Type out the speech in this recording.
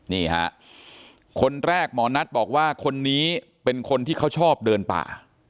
นี่ฮะคนแรกหมอนัทบอกว่าคนนี้เป็นคนที่เขาชอบเดินป่า